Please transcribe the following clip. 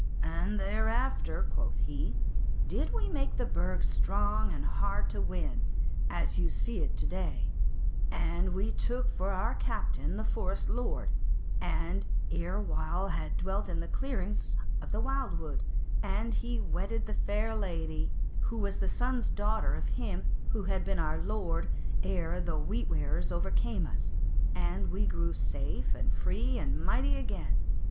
"And thereafter," quoth he, "did we make the Burg strong and hard to win, as ye see it to day; and we took for our captain the Forest Lord, who ere while had dwelt in the clearings of the wildwood, and he wedded the Fair Lady who was the son's daughter of him who had been our lord ere the Wheat wearers overcame us; and we grew safe and free and mighty again.